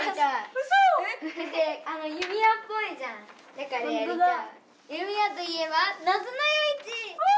だからやりたい。